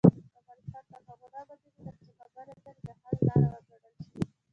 افغانستان تر هغو نه ابادیږي، ترڅو خبرې اترې د حل لار وګڼل شي.